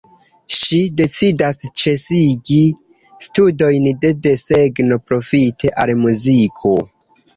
Ŝi decidas ĉesigi studojn de desegno profite al muziko.